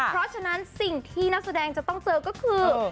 เพราะฉะนั้นสิ่งที่นักแสดงจะต้องเจอก็คือ